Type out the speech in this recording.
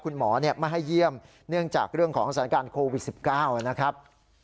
คุณหมอไม่ให้เยี่ยมเนื่องจากเรื่องของสถานการณ์โควิด๑๙นะครับ